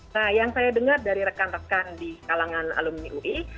nah yang saya dengar dari rekan rekan di kalangan alumni ui